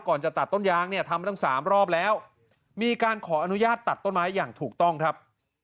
จะตัดต้นยางเนี่ยทำมาตั้งสามรอบแล้วมีการขออนุญาตตัดต้นไม้อย่างถูกต้องครับ